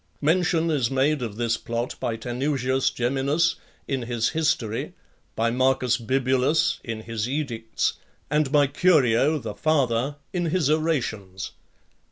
Mention is made of this plot by Tanusius Geminus in his history, by Marcus Bibulus in his edicts , and by Curio, the father, in his orations .